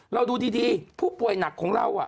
เราดูดีผู้ป่วยหนักของเรา